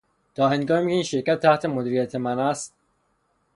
تا هنگامی که این شرکت تحت مدیریت من است...